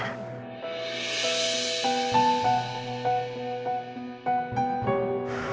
seratus persen saya sadar